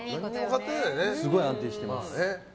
すごい安定しています。